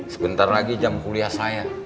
sebentar lagi jam kuliah saya